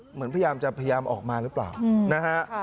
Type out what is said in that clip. พยายามจะพยายามออกมาหรือเปล่านะฮะ